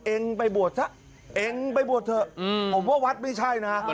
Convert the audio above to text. เองไปบวชซะเองไปบวชเถอะผมว่าวัดไม่ใช่นะ